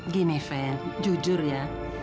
gini fen jujur ya